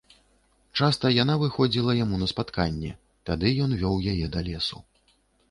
Часта яна выходзіла яму на спатканне, тады ён вёў яе да лесу.